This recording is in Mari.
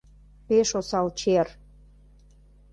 Пеш осал чер...